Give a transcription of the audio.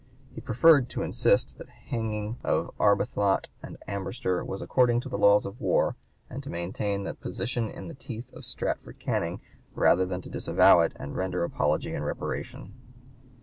He preferred to insist that the hanging (p. 162) of Arbuthnot and Ambrister was according to the laws of war and to maintain that position in the teeth of Stratford Canning rather than to disavow it and render apology and reparation.